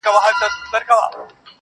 ما له یوې هم یوه ښه خاطره و نه لیده~